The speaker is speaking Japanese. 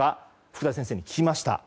福田先生に聞きました。